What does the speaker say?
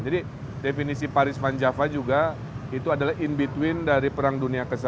jadi definisi paris van java juga itu adalah in between dari perang dunia ke satu